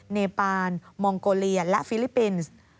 เนปานมองโกเลียและฟิลิปปินส์